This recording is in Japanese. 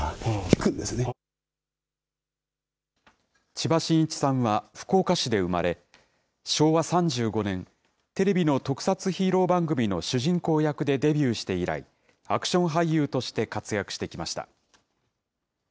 千葉真一さんは福岡市で生まれ、昭和３５年、テレビの特撮ヒーロー番組の主人公役でデビューして以来、アクション俳優として活躍してきました。